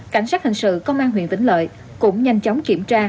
cảnh sát hình sự công an huyện vĩnh lợi cũng nhanh chóng kiểm tra